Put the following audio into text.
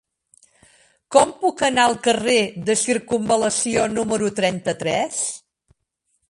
Com puc anar al carrer de Circumval·lació número trenta-tres?